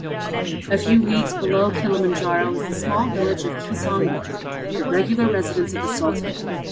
A few leagues below Kilimanjaro is the small village of Kisongo, the regular residence of the Sultan.